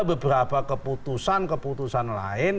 beberapa keputusan keputusan lain